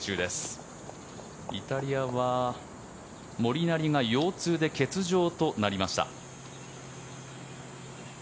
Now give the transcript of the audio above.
イタリアはモリナリが腰痛で欠場となりました。